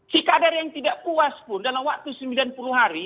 si kader yang tidak puas pun dalam waktu sembilan puluh hari